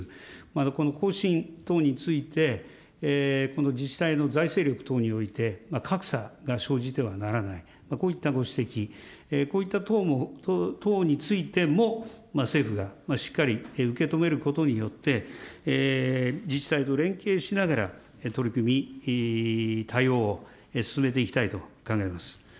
この更新等について、この自治体の財政力等において格差が生じてはならない、こういったご指摘、こういった等についても、政府がしっかり受け止めることによって、自治体と連携しながら取り組み、対応を進めていきたいと考えております。